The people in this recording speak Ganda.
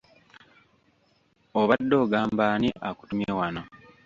Obadde ogamba ani akutumye wano?